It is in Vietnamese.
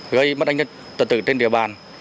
gây mất anh nhân tật tự trên địa bàn